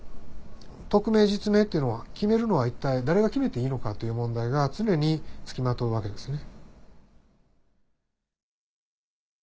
匿名実名というのは決めるのは一体誰が決めていいのかという問題が常に付きまとうわけですね。